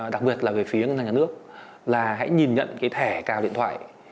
đặc biệt là về phía ngân hàng nhà nước là hãy nhìn nhận cái thẻ cào điện thoại